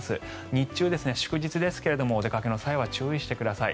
日中、祝日ですがお出かけの際は注意してください